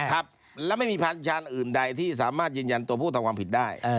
ครับและไม่มีภาษาอื่นใดที่สามารถจริงตัวผู้ต้องความผิดได้